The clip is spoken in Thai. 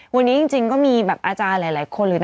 วันนี้จริงก็มีอาจารย์หลายคน